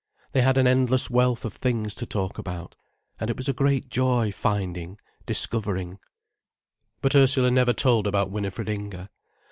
They had an endless wealth of things to talk about. And it was a great joy, finding, discovering. But Ursula never told about Winifred Inger.